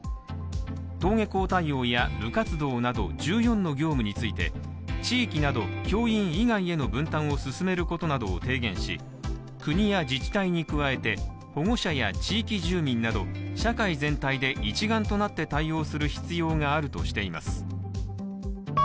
登下校対応や部活動など１４の業務について地域など教員以外への分担を進めることなどを提言し、国や自治体に加えて保護者や地域住民など社会全体で一丸となって対応する必要があるとしています。